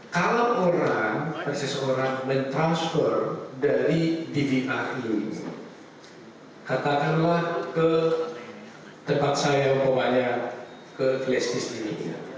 kalau orang persis orang mentransfer dari dpr ini katakanlah ke tempat saya ke klasis ini